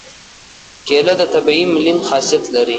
کېله د طبیعي ملین خاصیت لري.